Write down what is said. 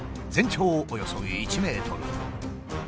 全長およそ１ｍ。